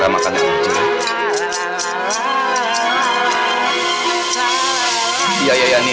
dari dalam udara ibu aku dari sana